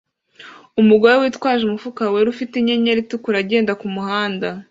Umugore witwaje umufuka wera ufite inyenyeri itukura agenda kumuhanda